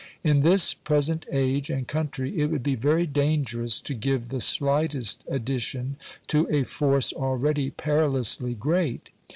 In this present age and country it would be very dangerous to give the slightest addition to a force already perilously great.